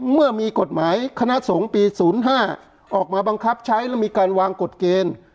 เมื่อมีกฎหมายคณะสงฆ์ปี๐๕ออกมาบังคับใช้แล้วมีการวางกฎเกณฑ์